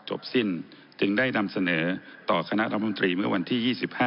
จบสิ้นจึงได้นำเสนอต่อคณะรัฐมนตรีเมื่อวันที่๒๕